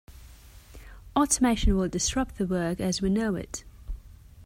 Automation will disrupt the work as we know it.